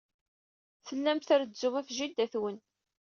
Tellam trezzum ɣef jida-twen.